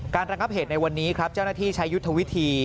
ระงับเหตุในวันนี้ครับเจ้าหน้าที่ใช้ยุทธวิธี